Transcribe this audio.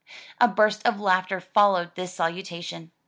'* A burst of laughter followed this salutation.